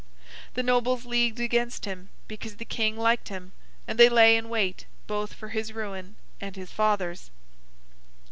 The Nobles leagued against him, because the King liked him; and they lay in wait, both for his ruin and his father's.